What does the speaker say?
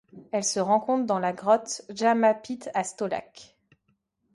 Elle se rencontre dans la grotte Jama Pit à Stolac.